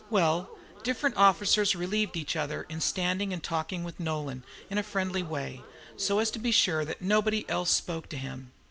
Well, different officers relieved each other in standing and talking with Nolan in a friendly way, so as to be sure that nobody else spoke to him.